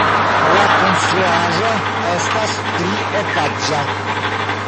La konstruaĵo estas trietaĝa.